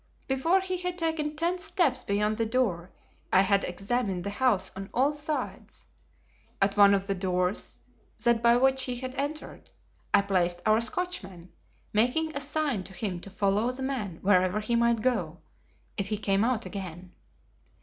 Before he had taken ten steps beyond the door I had examined the house on all sides. At one of the doors, that by which he had entered, I placed our Scotchman, making a sign to him to follow the man wherever he might go, if he came out again.